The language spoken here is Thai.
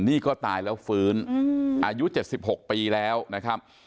นี่ก็ตายแล้วฟื้นอายุ๗๖ปีแล้วนะครับ